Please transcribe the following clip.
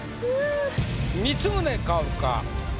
光宗薫か？